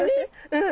うん。